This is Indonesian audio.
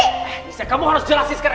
eh nisa kamu harus jelasin sekarang